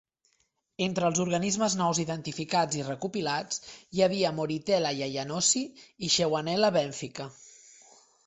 Entre els organismes nous identificats i recopilats, hi havia "moritella yayanosii" i "shewanella benthica".